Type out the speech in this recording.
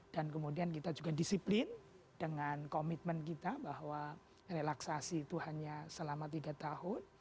dan kemudian kita juga disiplin dengan komitmen kita bahwa relaksasi itu hanya selama tiga tahun